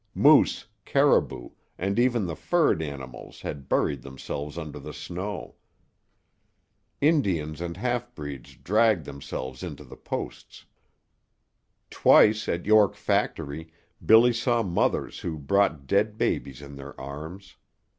Moose, caribou, and even the furred animals had buried themselves under the snow. Indians and half breeds dragged themselves into the posts. Twice at York Factory Billy saw mothers who brought dead babies in their arms.